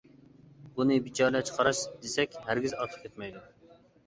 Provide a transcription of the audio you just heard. بۇنى بىچارىلەرچە قاراش دېسەك ھەرگىز ئارتۇق كەتمەيدۇ.